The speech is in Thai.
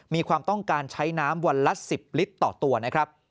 มีความต้องการใช้น้ำวันละ๑๐ลิตรต่อตัวนะครับ